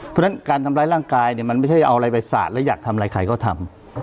เพราะฉะนั้นการทำร้ายร่างกายเนี่ยมันไม่ใช่เอาอะไรไปสาดแล้วอยากทำอะไรใครก็ทำ